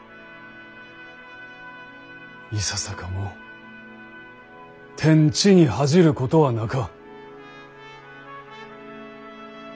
いささかも天地に愧じることはなか。